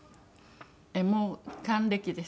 もう還暦です。